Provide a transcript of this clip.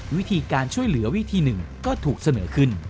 วิธีการช่วยเหลือวิธีหนึ่งก็ถูกเสนอขึ้น